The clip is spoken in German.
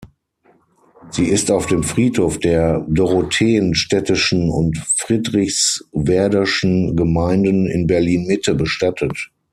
Sie ist auf dem Friedhof der Dorotheenstädtischen und Friedrichswerderschen Gemeinden in Berlin-Mitte bestattet.